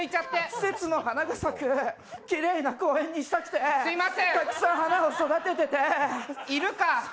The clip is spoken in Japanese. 季節の花が咲く、きれいな公園にしたくてたくさん花を育ててすみません、いるか。